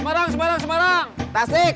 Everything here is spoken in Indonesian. masih ada yang nangis